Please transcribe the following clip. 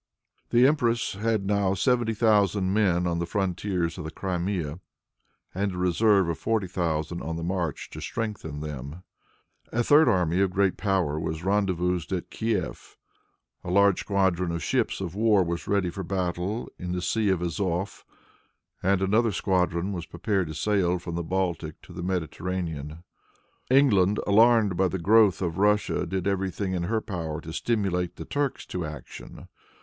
The empress had now seventy thousand men on the frontiers of the Crimea, and a reserve of forty thousand on the march to strengthen them. A third army of great power was rendezvoused at Kief. A large squadron of ships of war was ready for battle in the Sea of Azof, and another squadron was prepared to sail from the Baltic for the Mediterranean. England, alarmed by the growth of Russia, did every thing in her power to stimulate the Turks to action.